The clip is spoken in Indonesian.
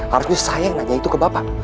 harusnya saya yang nanya itu ke bapak